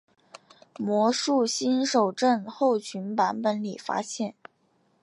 魔术新手症候群版本里发现。